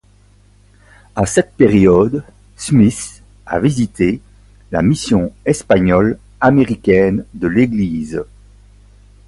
À cette période, Smith a visité la Mission espagnole-américaine de l'Église.